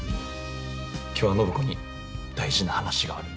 今日は暢子に大事な話がある。